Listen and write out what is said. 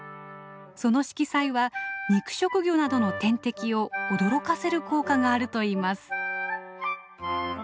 その色彩は肉食魚などの天敵を驚かせる効果があるといいます。